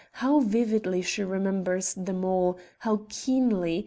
how vividly she remembers them all how keenly!